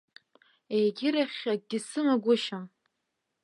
Егьирахь акгьы сымагәышьам.